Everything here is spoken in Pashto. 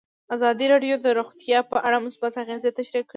ازادي راډیو د روغتیا په اړه مثبت اغېزې تشریح کړي.